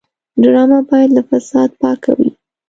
ډرامه باید له فساد پاکه وي